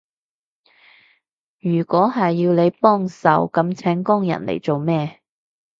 如果係要你幫手，噉請工人嚟做咩？